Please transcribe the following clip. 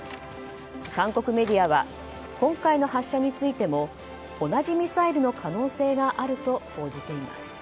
韓国メディアは今回の発射についても同じミサイルの可能性があると報じています。